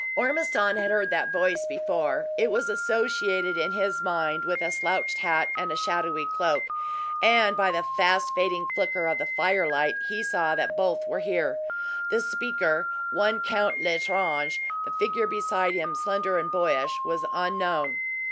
Ormiston had heard that voice before; it was associated in his mind with a slouched hat and shadowy cloak; and by the fast fading flicker of the firelight, he saw that both were here. The speaker was Count L'Estrange; the figure beside him, slender and boyish, was unknown.